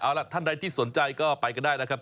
เอาล่ะท่านใดที่สนใจก็ไปกันได้นะครับ